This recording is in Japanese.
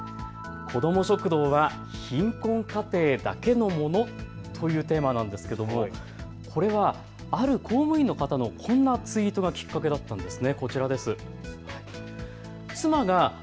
子ども食堂は貧困家庭だけのもの？というテーマなんですけれどもこれはある公務員の方のこんなツイートがきっかけだったんです。